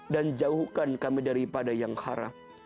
dan jauhkan kami daripada yang haram